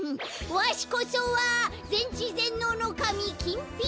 わしこそはぜんちぜんのうのかみキンピラ！